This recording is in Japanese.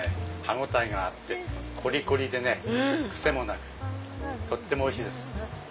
歯応えがあってコリコリでねクセもなくとってもおいしいです。